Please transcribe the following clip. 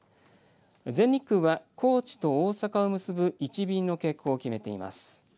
全日空は高知と大阪を結ぶ１便の欠航を決めています。